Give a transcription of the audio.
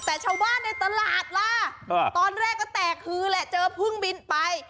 แต่ชาวบ้านในตลาดล่ะตอนแรกก็แตกฮือแหละเจอพึ่งบินไป